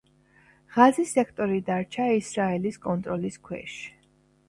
ღაზის სექტორი დარჩა ისრაელის კონტროლის ქვეშ.